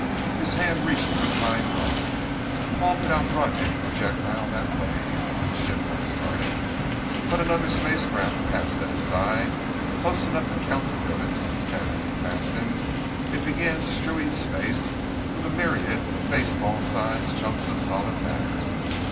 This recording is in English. His hand reached for the high drive, Paul could outrun any projectile that way, once his ship got started. But another spacecraft passed at his side close enough to count the rivets, and as it passed him it began strewing space with a myriad of baseball sized chunks of solid matter.